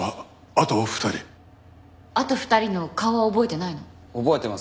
あと２人の顔は覚えてないの？